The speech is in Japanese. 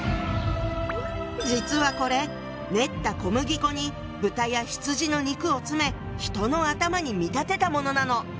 実はこれ練った小麦粉に豚や羊の肉を詰め人の頭に見立てたものなの！